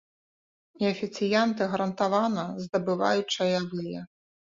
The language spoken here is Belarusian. І афіцыянты гарантавана здабываюць чаявыя.